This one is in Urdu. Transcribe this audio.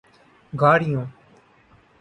گاڑیوں